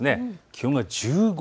気温が１５．３度。